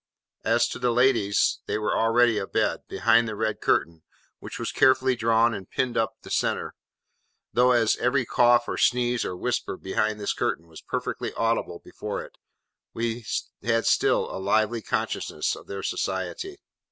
As to the ladies, they were already abed, behind the red curtain, which was carefully drawn and pinned up the centre; though as every cough, or sneeze, or whisper, behind this curtain, was perfectly audible before it, we had still a lively consciousness of their society.